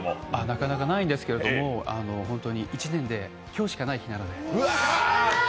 なかなかないんですけれども、１年で今日しかない日なので。